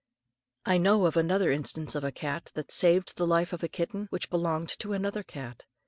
I know another instance of a cat, that saved the life of a kitten which belonged to another cat.